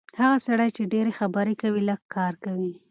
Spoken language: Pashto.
هغه سړی چې ډېرې خبرې کوي، لږ کار کوي.